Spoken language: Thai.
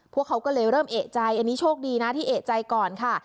พวกเขาก็เลยเริ่มเอกใจอันนี้โชคดีนะที่เอกใจก่อนค่ะ